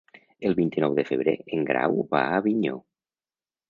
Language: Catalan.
El vint-i-nou de febrer en Grau va a Avinyó.